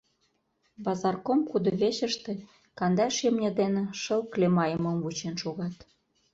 Базарком кудывечыште кандаш имне дене шыл клемайымым вучен шогат.